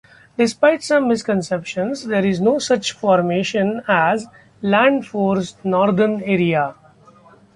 Despite some misconceptions, there is no such formation as 'Land Force Northern Area'.